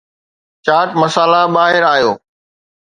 چاٽ مسالا ٻاهر آيو